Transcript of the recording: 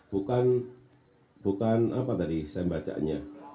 bukan bukan apa tadi saya bacanya